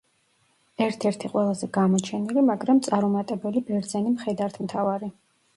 ერთ-ერთი ყველაზე გამოჩენილი, მაგრამ წარუმატებელი ბერძენი მხედართმთავარი.